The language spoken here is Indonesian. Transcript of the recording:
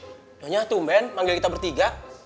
udah nyata umen manggil kita bertiga